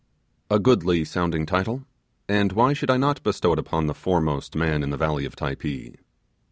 A goodly sounding title and why should I not bestow it upon the foremost man in the valley of Typee?